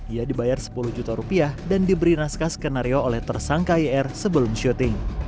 ia dibayar sepuluh juta rupiah dan diberi naskah skenario oleh tersangka ir sebelum syuting